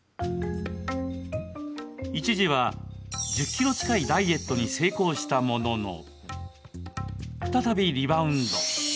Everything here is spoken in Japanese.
一時は１０ｋｇ近いダイエットに成功したものの再びリバウンド。